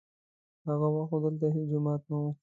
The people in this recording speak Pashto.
په هغه وخت خو هلته هېڅ جومات نه و.